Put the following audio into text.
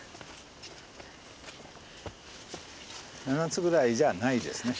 ７つぐらいじゃないですね。